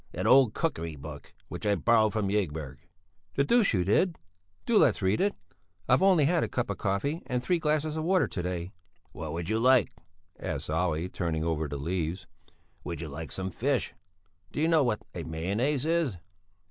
"An old cookery book which I borrowed from Ygberg." "The deuce you did! Do let's read it; I've only had a cup of coffee and three glasses of water to day." "What would you like?" asked Olle, turning over the leaves. "Would you like some fish? Do you know what a mayonnaise is?"